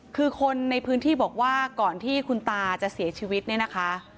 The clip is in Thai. คือคนในพื้นที่บอกว่าก่อนที่คุณตาจะเสียชีวิตเนี่ยนะคะ